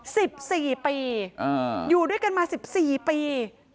สิบสี่ปีอ่าอยู่ด้วยกันมาสิบสี่ปี